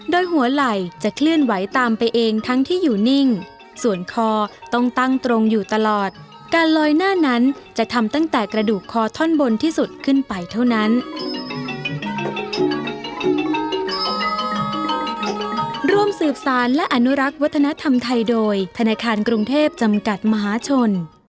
โดยหัวไหล่จะเคลื่อนไหวตามไปเองทั้งที่อยู่นิ่งส่วนคอต้องตั้งตรงอยู่ตลอดการลอยหน้านั้นจะทำตั้งแต่กระดูกคอท่อนบนที่สุดขึ้นไปเท่านั้น